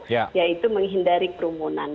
yaitu menghindari kerumunan